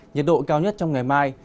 nhiệt độ cao nhất trong ngày mai